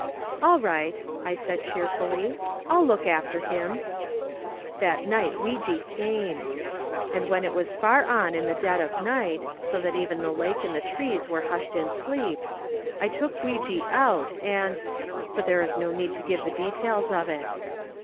"All right," I said cheerfully, "I'll look after him." That night Weejee came. And when it was far on in the dead of night so that even the lake and the trees were hushed in sleep, I took Weejee out and but there is no need to give the details of it.